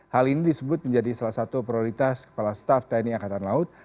hal ini disebut menjadi salah satu prioritas kepala staff tni angkatan laut